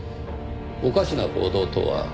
おかしな行動とは？